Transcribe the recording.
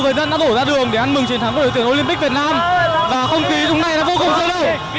nhiều người dân đã đổ ra đường để ăn mừng chiến thắng của đội tuyển olympic việt nam và không ký lúc này là vô cùng sơ lộ